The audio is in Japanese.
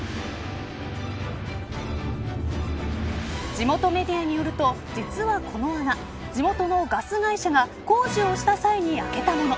地元メディアによると実はこの穴地元のガス会社が工事をした際に開けたもの。